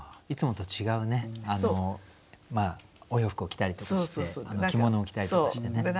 いつもと違うねお洋服を着たりとかして着物を着たりとかしてね。